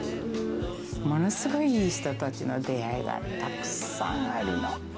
ものすごいいい人たちとの出会いがたくさんあったの。